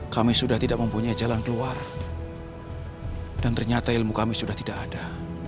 kami sudah tidak mempunyai jalan keluar dan ternyata ilmu kami sudah tidak ada